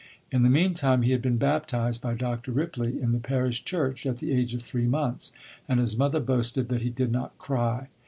In the mean time he had been baptized by Dr. Ripley in the parish church, at the age of three months; and his mother boasted that he did not cry.